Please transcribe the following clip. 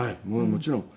もちろん。